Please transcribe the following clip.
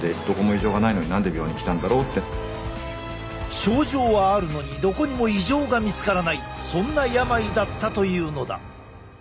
症状はあるのにどこにも異常が見つからないそんな病だったというのだ。